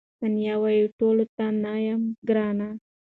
ثانیه وايي، ټولو ته نه یم ګرانه.